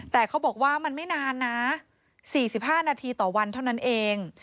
แต่เขาบอกว่ามันไม่นานนะ๔๕นาทีต่อวันเท่านั้นเอง